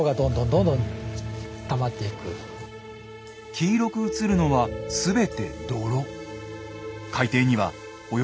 黄色く映るのは全て泥。